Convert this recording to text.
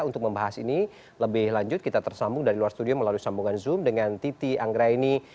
untuk membahas ini lebih lanjut kita tersambung dari luar studio melalui sambungan zoom dengan titi anggraini